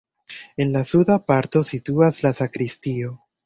En la suda parto situas la sakristio.